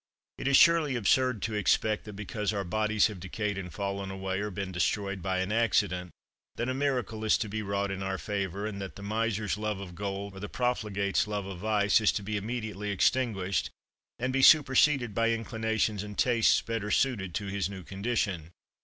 It is surely absurd to expect that because our bodies have decayed and fallen away, or been destroyed by an accident, that a miracle is to be wrought in our favor, and that the miser's love of gold, or the profligate's love of vice, is to be immediately extinguished, and be superseded by inclinations and tastes better suited to his new condition!